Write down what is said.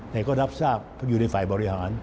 แต่ก็รับทราบเพราะอยู่ในฝ่ายบริหาร